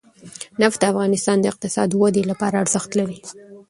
نفت د افغانستان د اقتصادي ودې لپاره ارزښت لري.